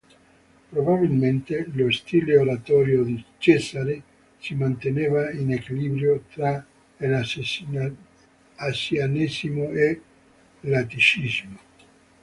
Probabilmente lo stile oratorio di Cesare si manteneva in equilibrio tra l'asianesimo e l'atticismo.